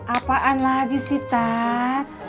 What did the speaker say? apaan lagi sih tat